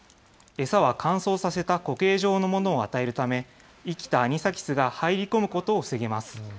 餌は乾燥させた固形状のものを与えるため、生きたアニサキスが入り込むことを防げます。